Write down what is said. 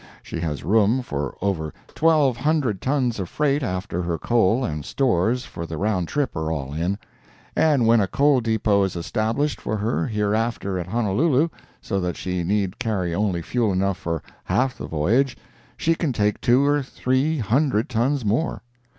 She has room for over twelve hundred tons of freight after her coal and stores for the round trip are all in; and when a coal depot is established for her hereafter at Honolulu, so that she need carry only fuel enough for half the voyage, she can take two or three hundred tons more.